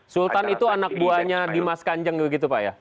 sultan itu anak buahnya dimas kanjeng begitu pak ya